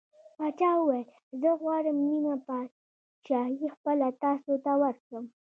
پاچا وویل: زه غواړم نیمه پادشاهي خپله تاسو ته ورکړم.